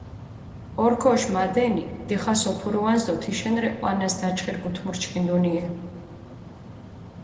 ორქოში მადენი დიხას ოფურუანს დო თიშენი რე ჸვანას დაჩხირი გუთმურჩქინდუნიე.